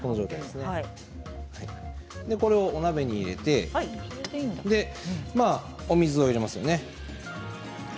これをお鍋に入れてお水を入れますね。